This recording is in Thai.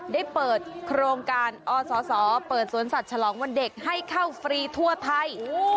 ได้เปิดโครงการอศเปิดสวนสัตว์ฉลองวันเด็กให้เข้าฟรีทั่วไทย